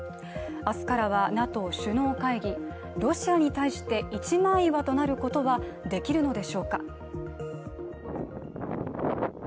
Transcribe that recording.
明日からはＮＡＴＯ首脳会議、ロシアに対して一枚岩となることはできるのでしょうか。